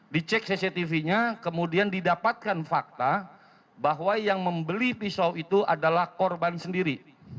dicek cctv nya kemudian didapatkan fakta bahwa yang membeli pisau itu adalah korban sendiri